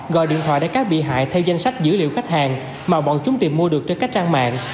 gọi điện thoại để các bị hại theo danh sách dữ liệu khách hàng mà bọn chúng tìm mua được trên các trang mạng